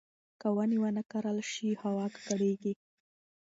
که ونې ونه کرل شي، هوا ککړېږي.